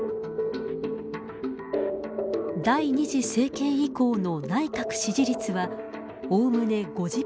第２次政権以降の内閣支持率はおおむね５０％近くを維持。